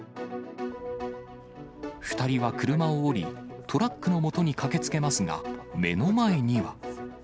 ２人は車を降り、トラックのもとに駆けつけますが、目の前には。